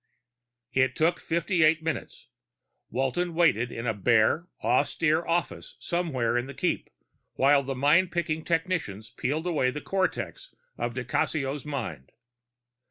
It took fifty eight minutes. Walton waited in a bare, austere office somewhere in the Keep while the mind picking technicians peeled away the cortex of di Cassio's mind.